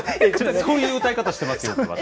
そういう歌い方してますよ、よく私。